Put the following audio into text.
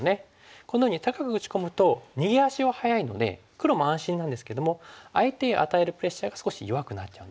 このように高く打ち込むと逃げ足は早いので黒も安心なんですけども相手へ与えるプレッシャーが少し弱くなっちゃうんですね。